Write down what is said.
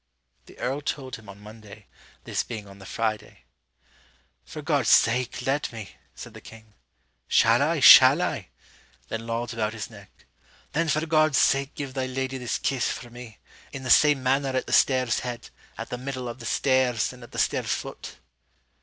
The earl told him on Monday (this being on the Friday). 'For God's sake let me,' said the king: 'Shall I, shall I?' then lolled about his neck; 'then for God's sake give thy lady this kisse for me, in the same manner at the stayre's head, at the middle of the stayres, and at the stayre's foot.'